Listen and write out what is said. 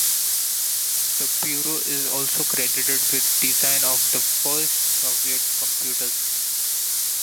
The bureau is also credited with design of the first Soviet computers.